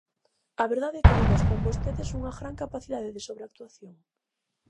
A verdade é que demostran vostedes unha gran capacidade de sobreactuación.